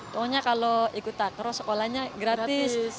pokoknya kalau ikut takro sekolahnya gratis